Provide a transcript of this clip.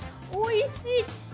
おいしい！